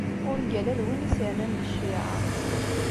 Ungal-a d win i s-yernan deg cciɛa.